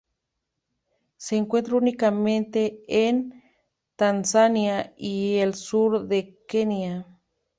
Se encuentra únicamente en Tanzania y el sur de Kenia.